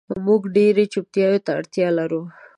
مونږ ډیرې چوپتیا ته اړتیا لرو